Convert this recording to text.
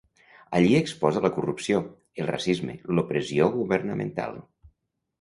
Allí exposa la corrupció, el racisme, l'opressió governamental.